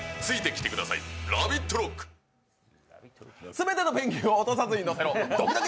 全てのペンギンを落とさずにのせろ、ドキドキ！